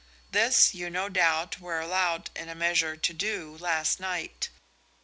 This you no doubt were allowed in a measure to do last night.